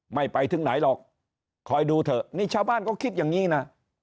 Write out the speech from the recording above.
ไปถึงไหนหรอกคอยดูเถอะนี่ชาวบ้านก็คิดอย่างนี้นะ